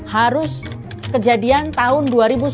harus kejadian tahun dua ribu seratus